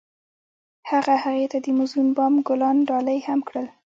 هغه هغې ته د موزون بام ګلان ډالۍ هم کړل.